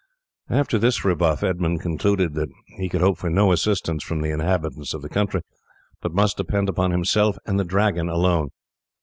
After this rebuff Edmund concluded that he could hope for no assistance from the inhabitants of the country, but must depend upon himself and the Dragon alone.